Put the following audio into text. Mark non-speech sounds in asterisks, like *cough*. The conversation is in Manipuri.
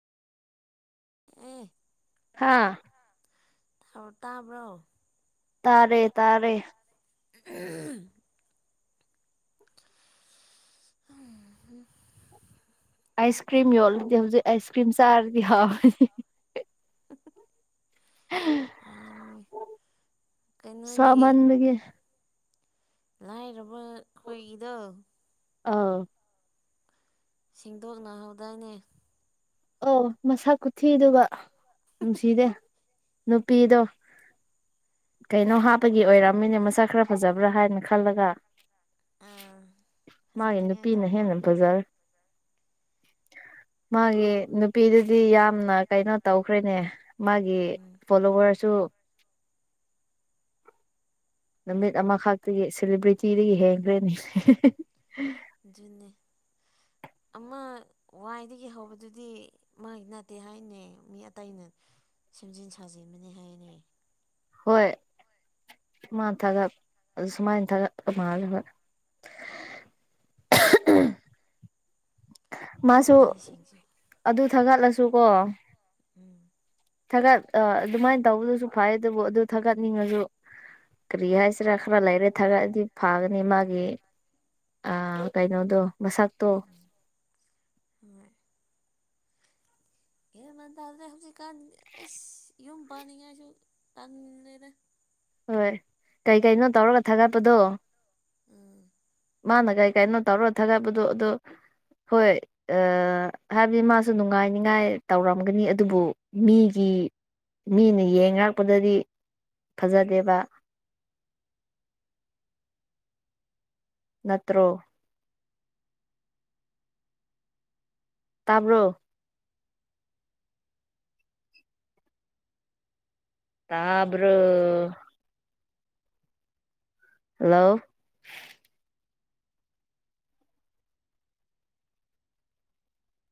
ꯑꯦ ꯍꯥꯥ ꯇꯥ ꯇꯥꯕ꯭ꯔꯣ ꯇꯥꯔꯦ ꯇꯥꯔꯦ *unintelligible* ꯑꯥꯏꯁ ꯀ꯭ꯔꯤꯝ ꯌꯣꯜꯂꯗꯤ ꯍꯧꯖꯤꯛ ꯑꯥꯏꯁ ꯀ꯭ꯔꯤꯝ ꯆꯥꯔꯗꯤ ꯍꯥꯎ *unintelligible* *inaudible* *unintelligible* ꯀꯩꯅꯣꯒꯤ ꯁꯥꯃꯟꯕꯒꯤ ꯂꯥꯏꯔꯕ ꯈꯣꯏꯒꯤꯗꯣ ꯑꯥꯎ ꯁꯦꯡꯗꯣꯛꯅꯍꯧꯗꯥꯏꯅꯦ ꯑꯧ ꯃꯁꯥ ꯀꯨꯊꯤꯗꯨꯒ ꯅꯨꯡꯁꯤꯗꯦ ꯅꯨꯄꯤꯗꯣ ꯀꯩꯅꯣ ꯍꯥꯞꯄꯒꯤ ꯑꯣꯏꯔꯝꯃꯤꯅꯦ ꯃꯁꯛ ꯈꯔ ꯐꯖꯕ꯭ꯔꯥ ꯍꯥꯏꯅ ꯈꯜꯂꯒ ꯑꯥ ꯃꯥꯒꯤ ꯐꯖꯅꯤꯡꯉꯥꯏ ꯅꯨꯄꯤꯅ ꯇꯧꯕ ꯍꯦꯟꯅ ꯑꯣꯏꯔꯝꯃꯦ ꯐꯖꯔ ꯃꯥꯒꯦ ꯅꯨꯄꯤꯗꯨꯗꯤ ꯌꯥꯝꯅ ꯀꯩꯅꯣ ꯇꯧꯈ꯭ꯔꯦꯅꯦ ꯃꯥꯒꯤ ꯎꯝ ꯐꯣꯂꯣꯋꯔꯁꯨ ꯅꯨꯃꯤꯠ ꯑꯃꯈꯛꯇꯒꯤ ꯁꯦꯂꯤꯕ꯭ꯔꯤꯇꯤꯗꯒꯤ ꯍꯦꯟꯈ꯭ꯔꯦꯅꯤ *unintelligible* ꯑꯗꯨꯅꯦ ꯑꯃ ꯋꯥꯏꯗꯒꯤ ꯍꯧꯕꯗꯨꯗꯤ ꯃꯥꯒꯤ ꯅꯠꯇꯦ ꯍꯥꯏꯅꯦ ꯃꯤ ꯑꯇꯩꯅ ꯁꯦꯝꯖꯤꯟ ꯁꯥꯖꯤꯟꯕꯅꯤ ꯍꯥꯏꯅꯦ ꯍꯣꯏ ꯃꯥ ꯊꯥꯒꯠ ꯑꯗꯨ ꯁꯨꯃꯥꯏꯅ ꯊꯥꯒꯠꯄ ꯃꯥꯜꯂꯦ ꯍꯣꯏ ꯃꯥꯁꯨ ꯃꯤꯁꯤꯡꯁꯨ ꯑꯗꯨ ꯊꯥꯒꯠꯂꯁꯨꯀꯣ ꯎꯝ ꯊꯥꯒꯠ ꯑ ꯑꯗꯨꯃꯥꯏꯅ ꯇꯧꯕꯗꯨꯁꯨ ꯐꯩ ꯑꯗꯨꯕꯨ ꯑꯗꯨ ꯊꯥꯒꯠꯅꯤꯡꯉꯁꯨ ꯀꯔꯤ ꯍꯥꯏꯁꯤꯔꯥ ꯈꯔ ꯂꯩꯔꯦ ꯊꯥꯒꯠꯑꯗꯤ ꯐꯥꯒꯅꯤ ꯃꯥꯒꯤ ꯑ ꯎꯝ ꯀꯩꯅꯣꯗꯣ ꯃꯁꯛꯇꯣ ꯎꯝ ꯍꯣꯏ *unintelligible* ꯍꯧꯖꯤꯛꯀꯥꯟ ꯑꯩꯁ ꯌꯨꯝ ꯄꯥꯅꯤꯡꯉꯥꯏꯁꯨ ꯇꯟꯂꯦꯗꯥ ꯍꯣꯏ ꯀꯩ ꯀꯩꯅꯣ ꯇꯧꯔꯒ ꯊꯥꯒꯠꯄꯗꯣ ꯎꯝ ꯃꯥꯅ ꯀꯩ ꯀꯩꯅꯣ ꯇꯧꯔꯣ ꯊꯥꯒꯠꯄꯗꯣ ꯑꯗꯨ ꯍꯣꯏ ꯑꯥ ꯍꯥꯏꯕꯗꯤ ꯃꯥꯁꯨ ꯅꯨꯡꯉꯥꯏꯅꯤꯉꯥꯏ ꯇꯧꯔꯝꯒꯅꯤ ꯑꯗꯨꯕꯨ ꯃꯤꯒꯤ ꯃꯤꯅ ꯌꯦꯡ ꯉꯛꯄꯗꯗꯤ ꯐꯖꯗꯦꯕ ꯅꯠꯇ꯭ꯔꯣ ꯇꯥꯕ꯭ꯔꯣ ꯇꯥꯕ꯭ꯔꯣ ꯍꯜꯂꯣ